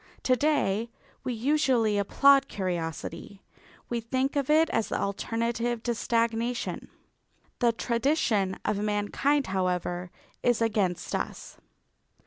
To day we usually applaud curiosity; we think of it as the alternative to stagnation. The tradition of mankind, however, is against us.